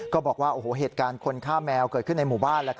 บอกว่าโอ้โหเหตุการณ์คนฆ่าแมวเกิดขึ้นในหมู่บ้าน